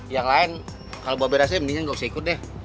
yang lain kalau bawa berasa mendingan nggak usah ikut deh